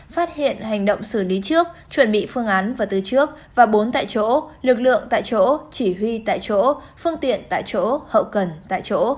phát hiện hành động xử lý trước chuẩn bị phương án và từ trước và bốn tại chỗ lực lượng tại chỗ chỉ huy tại chỗ phương tiện tại chỗ hậu cần tại chỗ